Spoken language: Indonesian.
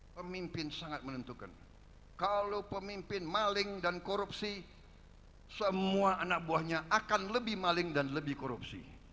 pemimpin sangat menentukan kalau pemimpin maling dan korupsi semua anak buahnya akan lebih maling dan lebih korupsi